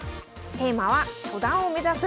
テーマは「初段を目指す！